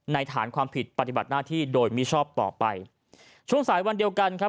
ฐานความผิดปฏิบัติหน้าที่โดยมิชอบต่อไปช่วงสายวันเดียวกันครับ